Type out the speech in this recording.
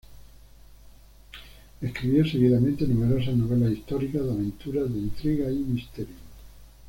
Escribió seguidamente numerosas novelas históricas, de aventuras, de intriga y misterio.